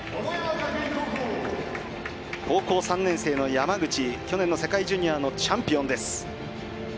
山口去年の世界ジュニアのチャンピオンです。